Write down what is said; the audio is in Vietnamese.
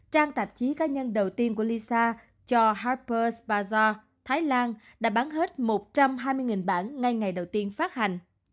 trang tạp chí cá nhân đầu tiên của lisa cho harper s bazaar thái lan đã bán hết một trăm hai mươi bản ngay ngày đầu tiên phát hành